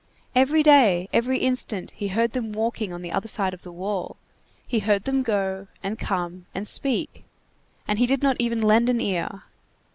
Every day, every instant, he heard them walking on the other side of the wall, he heard them go, and come, and speak, and he did not even lend an ear!